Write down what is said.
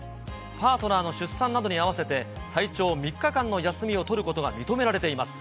パートナーの出産などに合わせて、最長３日間の休みを取ることが認められています。